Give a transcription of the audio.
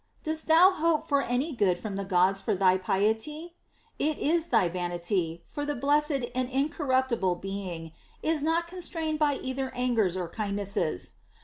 Dost thou hope for any good from the Gods for thy piety ? It is thy vanity ; for the blessed and incorruptible Being is not constrained by either angers or kindnesses.